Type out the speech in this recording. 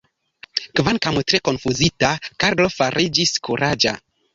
Kvankam tre konfuzita, Karlo fariĝis kuraĝa.